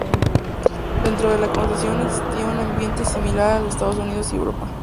Dentro de la Concesión existía un ambiente similar al de Estados Unidos y Europa.